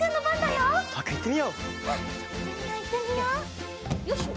よいしょ！